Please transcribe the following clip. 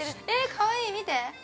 かわいい見て。